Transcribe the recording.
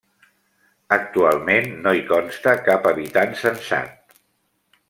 Actualment no hi consta cap habitant censat.